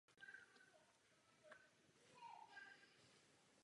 Jeho otec byl učitel a houslista.